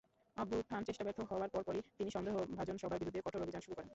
অভ্যুত্থানচেষ্টা ব্যর্থ হওয়ার পরপরই তিনি সন্দেহভাজন সবার বিরুদ্ধে কঠোর অভিযান শুরু করেন।